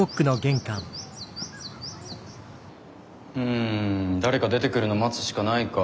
ん誰か出てくるの待つしかないか。